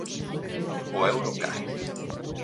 O euro cae